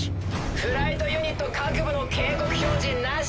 フライトユニット各部の警告表示なし。